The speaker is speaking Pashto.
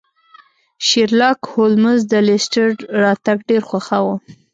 شیرلاک هولمز د لیسټرډ راتګ ډیر خوښاوه.